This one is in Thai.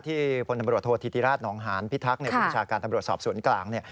ที่พลังดำรวจโทษธิติราชนองหานพิทักษ์ในภูมิชาการตำรวจสอบศูนย์กลาง